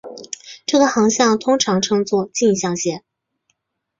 这个航向通常称作径向线。